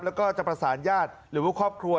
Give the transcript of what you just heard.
แล้วก็จะประสานญาติหรือว่าครอบครัว